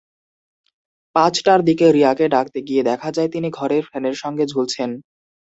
পাঁচটার দিকে রিয়াকে ডাকতে গিয়ে দেখা যায় তিনি ঘরের ফ্যানের সঙ্গে ঝুলছেন।